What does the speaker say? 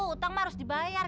utang mah harus dibayar